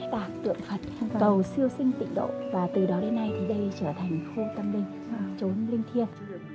đã tượng phật cầu siêu sinh tịnh độ và từ đó đến nay thì đây trở thành khô tâm linh chốn linh thiên